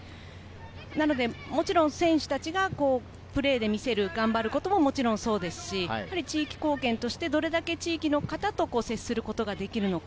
なので選手がプレーで見せる、頑張ることはもちろんそうですし、地域貢献としてどれだけ地域の方と接することができるのか。